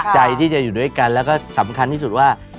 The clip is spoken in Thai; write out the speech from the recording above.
ใจที่จะอยู่ด้วยกันแล้วก็สำคัญที่สุดว่า